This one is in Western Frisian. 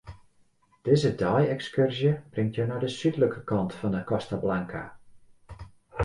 Dizze dei-ekskurzje bringt jo nei de súdlike kant fan 'e Costa Blanca.